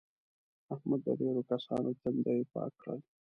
احمد د ډېرو کسانو تندي پاک کړل.